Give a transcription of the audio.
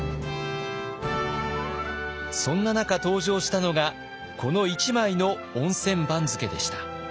そんな中登場したのがこの１枚の温泉番付でした。